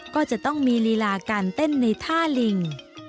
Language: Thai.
ก็จะต้องมีลีลาการเต้นในท่าลิง